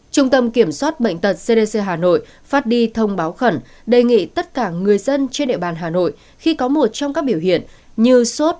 trung tâm kiểm soát bệnh tật cdc hà nội phát đi thông báo khẩn đề nghị tất cả người dân trên địa bàn hà nội khi có một trong các biểu hiện như sốt